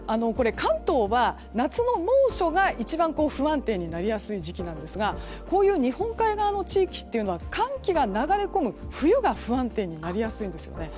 関東は、夏の猛暑が一番不安定になりやすい時期ですがこういう日本海側の地域というのは寒気が流れ込む冬が不安定になりやすいんですね。